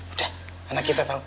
udah anak kita tau